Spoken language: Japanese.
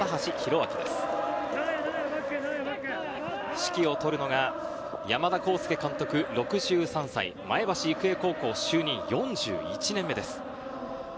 指揮をとるのが、山田耕介監督６３歳、前橋育英高校就任４１年目です。